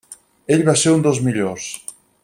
Ell va ser un dels millors.